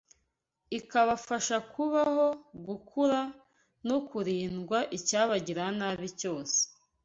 ikabafasha kubaho, gukura no kurindwa icyabagirira nabi cyose